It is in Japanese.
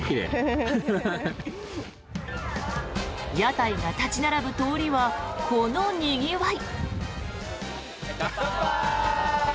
屋台が立ち並ぶ通りはこのにぎわい。